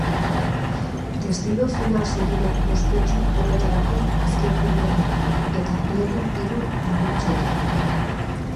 Destino final segida ospetsu horretako azken filma da eta lehena hiru dimentsiotan.